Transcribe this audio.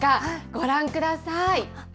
ご覧ください。